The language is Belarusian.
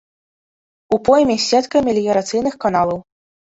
У пойме сетка меліярацыйных каналаў.